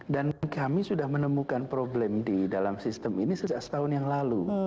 dan kami sudah menemukan problem di dalam sistem ini setahun yang lalu